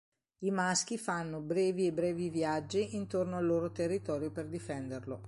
I maschi fanno brevi e brevi viaggi intorno al loro territorio per difenderlo.